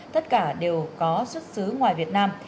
tất cả đều có xuất xứ ngoài việt nam